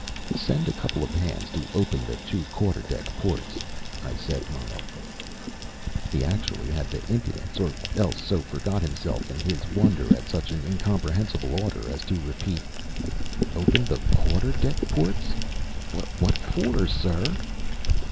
"Send a couple of hands to open the two quarter deck ports," I said, mildly. He actually had the impudence, or else so forgot himself in his wonder at such an incomprehensible order, as to repeat: "Open the quarter deck ports! What for, sir?"